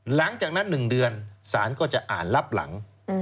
หลังจากนั้น๑เดือนสารก็จะอ่านรับหลัง